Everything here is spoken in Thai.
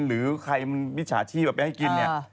หรือใครมิชาชีแบบนี้ไปให้กินเนี่ย